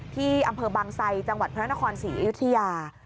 ที่อำเภอบางไซจังหวัดพระนครศรีอยุธยา